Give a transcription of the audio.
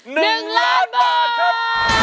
๑ล้านบาทครับ